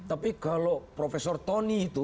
tapi kalau profesor tony itu